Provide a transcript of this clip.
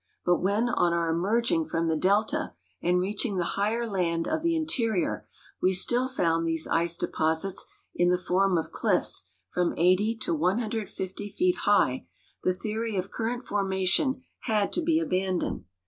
But Avhen on our emerging from the delta and reaching the higher land of the interior Ave still found these ice deposits in the form of cliffs, from 80 to 150 feet high, the theory of current formation had to be abandoned.